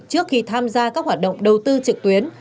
trước khi tham gia các hoạt động đầu tư trực tuyến